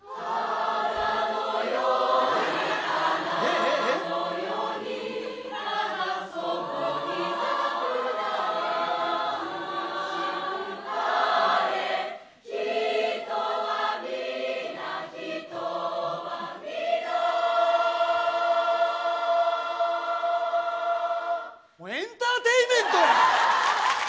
もうエンターテインメントやん！